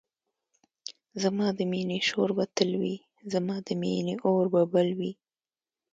زما د مینی شور به تل وی زما د مینی اور به بل وی